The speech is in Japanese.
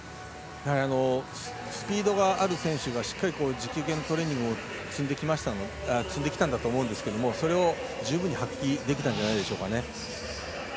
スピードがある選手がしっかり持久系のトレーニングをつんできたんだと思うんですけどそれを十分に発揮できたんじゃないでしょうか。